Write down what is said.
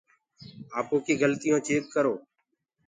آپو ڪيٚ گلتٚيونٚ چيڪ ڪرو۔